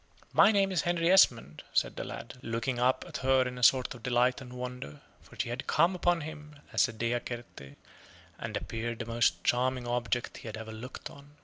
"My name is Henry Esmond," said the lad, looking up at her in a sort of delight and wonder, for she had come upon him as a Dea certe, and appeared the most charming object he had ever looked on.